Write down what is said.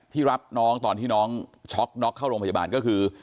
รับน้องตอนที่น้องช็อกน็อกเข้าโรงพยาบาลก็คือ